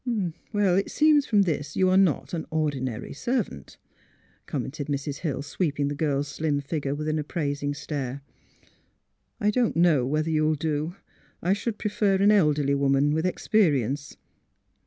'' It seems from this you are not an ordinary servant," commented Mrs. Hill, sweeping the girl's slim figure with an appraising stare. " I don't know whether you'll do. I should prefer an elderly woman — with experience.